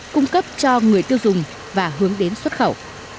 cung cấp cho người tiêu dùng và hướng đến xuất khẩu